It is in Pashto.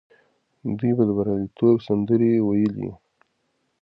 دوی به د بریالیتوب سندرې ویلې.